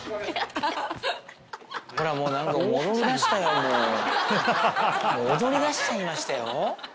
もう踊りだしちゃいましたよ。